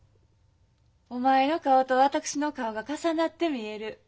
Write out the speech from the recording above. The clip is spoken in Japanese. お前の顔と私の顔が重なって見える。